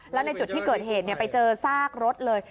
แล้วในจุดที่เกิดเหตุไปเจอซากรถเลย